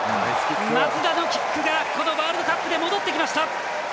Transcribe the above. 松田のキックがこのワールドカップで戻ってきました！